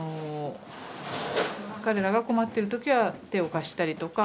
彼らが困ってる時は手を貸したりとか。